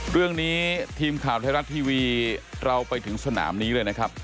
เรื่องนี้ทีมข่าวไทยรัฐทีวีเราไปถึงสนามนี้เลยนะครับ